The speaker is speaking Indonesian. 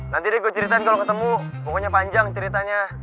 nanti deh gue ceritain kalau ketemu pokoknya panjang ceritanya